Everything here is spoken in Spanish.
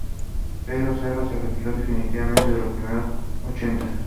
Pedro Serra se retiró definitivamente en los primeros ochenta.